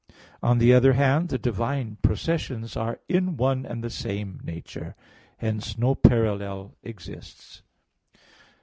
On the other hand, the divine processions are in one and the same nature. Hence no parallel exists.